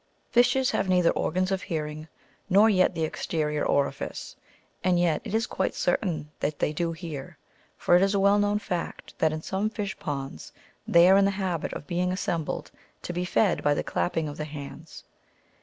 Fishes have neither organs of hearing, nor yet the exterior orifice. And yet, it is quite certain that they do hear ; for it is a well known fact, that in some fish ponds they are in the habit of being assembled to be fed by the clapping of the hands.